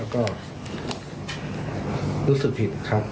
ก็รู้สึกผิดครับ